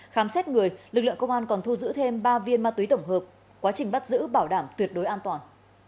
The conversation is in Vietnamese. khám xét người lực lượng công an còn thu giữ thêm ba viên ma túy tổng hợp quá trình bắt giữ bảo đảm tuyệt đối an toàn